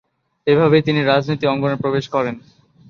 এভাবেই তিনি রাজনীতি অঙ্গনে প্রবেশ করেন।